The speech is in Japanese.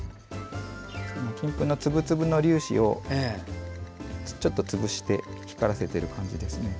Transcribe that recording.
金粉の粒々の粒子をちょっと潰して光らせてる感じです。